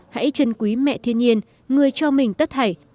hãy chân quý mẹ thiên nhiên người cho mình tất hải